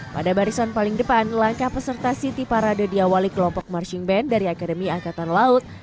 pada barisan paling depan langkah peserta city parade diawali kelompok marching band dari akademi angkatan laut